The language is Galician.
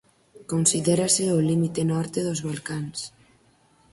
Considérase o límite norte dos Balcáns.